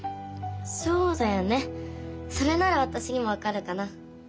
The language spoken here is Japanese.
そうだよねそれならわたしにもわかるかな。